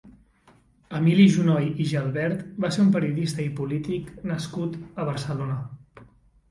Emili Junoy i Gelbert va ser un periodista i polític nascut a Barcelona.